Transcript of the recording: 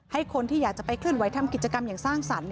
คนที่อยากจะไปเคลื่อนไหวทำกิจกรรมอย่างสร้างสรรค์